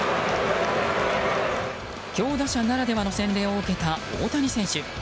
強打者ならではの洗礼を受けた大谷選手。